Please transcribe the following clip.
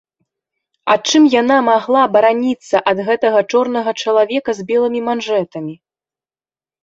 А чым яна магла бараніцца ад гэтага чорнага чалавека з белымі манжэтамі?